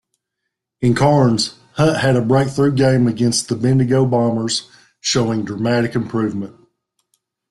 In Cairns, Hunt had a breakthrough game against the Bendigo Bombers showing dramatic improvement.